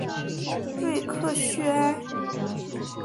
瑞克叙埃。